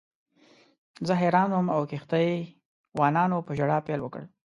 زه حیران وم او کښتۍ وانانو په ژړا پیل وکړ.